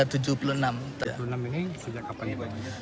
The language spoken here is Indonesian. tujuh puluh enam ini sejak kapan dibuat